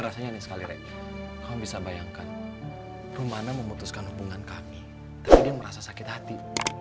rasanya ini sekali rekom bisa bayangkan rumahnya memutuskan hubungan kami terjadi merasa sakit hati